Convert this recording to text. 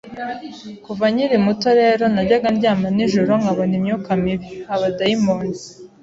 kuva nkiri muto rero, najyaga ndyama nijoro nkabona imyuka mibi (abadayimoni),